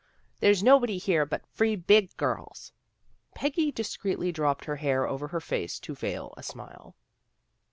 ' There's nobody here but free big girls." Peggy discreetly dropped her hair over her face to veil a smile.